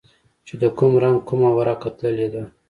چې د کوم رنگ کومه ورقه تللې ده.